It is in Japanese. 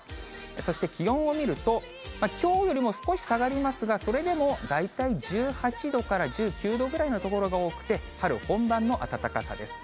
そして気温を見ると、きょうよりも少し下がりますが、それでも大体１８度から１９度ぐらいの所が多くて、春本番の暖かさです。